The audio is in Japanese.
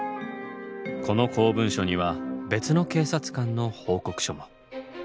この公文書には別の警察官の報告書も。